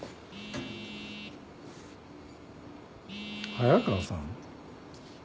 早川さん？